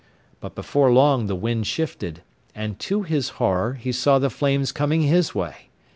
But before long the wind shifted, and to his horror he saw the flames coming his way.